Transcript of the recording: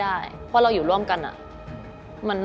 อเรนนี่แล้วอเรนนี่แล้วอเรนนี่แล้ว